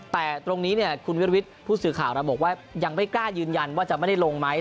แต่ตรงนี้คุณวิรวิทย์ผู้สื่อข่าวเราบอกว่ายังไม่กล้ายืนยันว่าจะไม่ได้ลงไหม